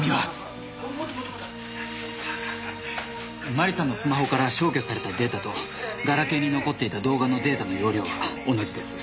麻里さんのスマホから消去されたデータとガラケーに残っていた動画のデータの容量は同じです。